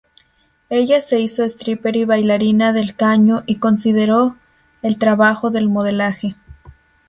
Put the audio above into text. Ella se hizo stripper y bailarina del caño y consideró el trabajo del modelaje.